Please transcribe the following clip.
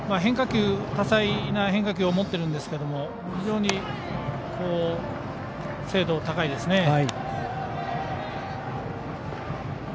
多彩な変化球を持っているんですが非常に精度も高いですね。